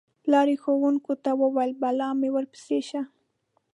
پلار یې ښوونکو ته وویل: بلا مې ورپسې شه.